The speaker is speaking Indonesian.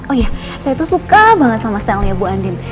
oh ya saya tuh suka banget sama stylenya bu andin